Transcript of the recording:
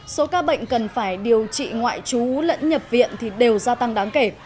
số ca bệnh cần phải điều trị ngoại trú lẫn nhập viện thì đều gia tăng đáng kể